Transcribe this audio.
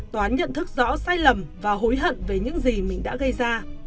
toán nhận thức rõ sai lầm và hối hận về những gì mình đã gây ra